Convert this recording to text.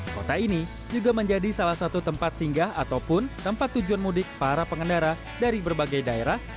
kota ini juga menjadi salah satu tempat singgah ataupun tempat tujuan mudik para pengendara dari berbagai daerah